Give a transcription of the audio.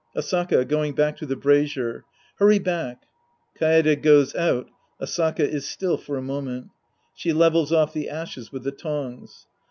Asaka {going back to the brazier). Hurry back {K AEDE goes out. Asaka is still for a moment. She levels off the ashes with the tongs.)